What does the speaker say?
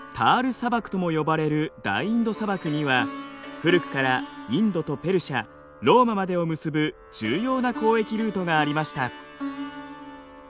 砂漠とも呼ばれる大インド砂漠には古くからインドとペルシャローマまでを結ぶ重要な交易ルートがありました。